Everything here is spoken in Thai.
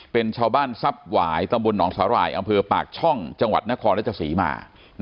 เป็นชาวบ้านทรัพย์หวายตำบลหนองสาหร่ายอำเภอปากช่องจังหวัดนครรัชศรีมา